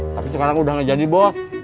tapi sekarang udah gak jadi bos